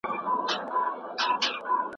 ایا د کور دننه د نباتاتو ساتل هوا پاکوي؟